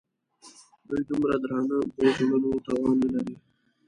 دوی د دومره درانه بوج وړلو توان نه لري.